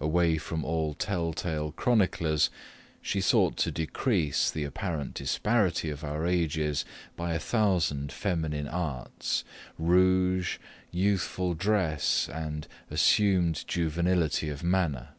Away from all tell tale chroniclers, she sought to decrease the apparent disparity of our ages by a thousand feminine arts rouge, youthful dress, and assumed juvenility of manner.